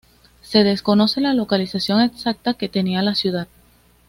Se desconoce la localización exacta que tenía la ciudad.